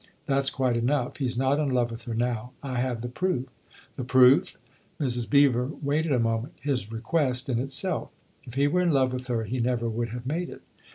That's quite enough. He's not in love with her now I have the proof." "The proof?" Mrs. Beever waited a moment. " His request in itself. If he were in love with her he never would have made it."